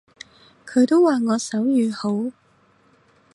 佢都話我手語好